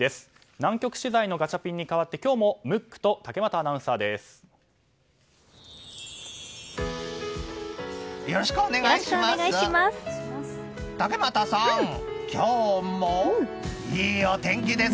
南極取材のガチャピンに代わって今日もムックとよろしくお願いします！